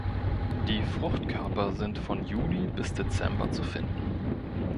Die Fruchtkörper sind von Juli bis Dezember zu finden.